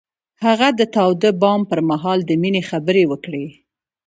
هغه د تاوده بام پر مهال د مینې خبرې وکړې.